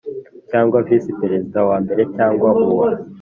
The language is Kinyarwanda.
cyangwa visi perezida wa mbere cyangwa uwa